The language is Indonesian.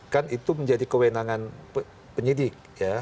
kan itu menjadi kewenangan penyidik